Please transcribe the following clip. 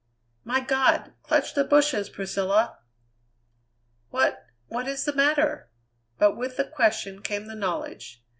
"My God! Clutch the bushes, Priscilla!" "What is the matter?" But with the question came the knowledge.